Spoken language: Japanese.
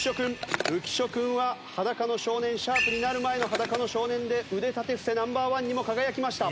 浮所君は『♯裸の少年』になる前の『裸の少年』で腕立て伏せＮｏ．１にも輝きました。